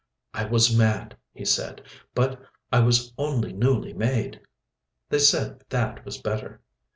"I was mad," he said. "But I was only newly made." They said that was better.